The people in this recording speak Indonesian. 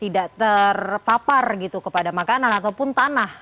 tidak terpapar gitu kepada makanan ataupun tanah